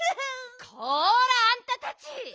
こらあんたたち！